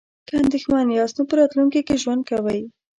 که اندیښمن یاست نو په راتلونکي کې ژوند کوئ.